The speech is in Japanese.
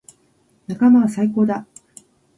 仲間は最高だ。